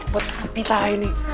waduh buat api lah ini